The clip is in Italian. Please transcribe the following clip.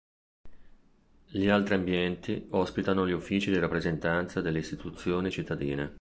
Gli altri ambienti ospitano gli uffici di rappresentanza delle istituzioni cittadine.